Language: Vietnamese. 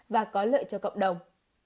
và có lợi cho cộng đồng